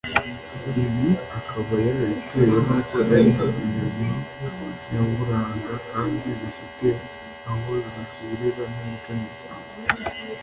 Ibi akaba yarabitewe n’uko ari inyoni nyaburanga kandi zifite aho zihurira n’umuco nyarwanda